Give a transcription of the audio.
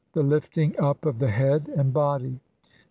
The lifting up of the head and body.